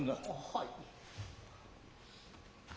はい。